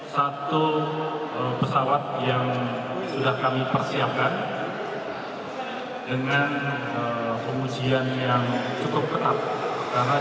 satu pesawat yang sudah kami persiapkan dengan pengujian yang cukup ketat